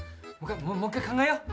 「もう１回考えよう。